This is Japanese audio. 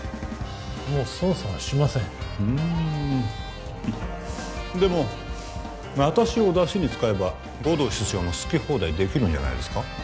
もう捜査はしませんうんでも私をだしに使えば護道室長も好き放題できるんじゃないですか？